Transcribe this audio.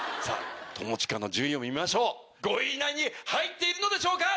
友近の順位を見ましょう５位以内に入ってるでしょうか？